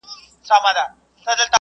مذهبي مشران بايد د خلګو خدمت وکړي.